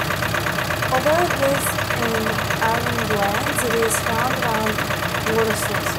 Although it lives in arid lands, it is found around water sources.